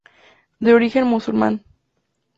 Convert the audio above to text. De origen musulmán.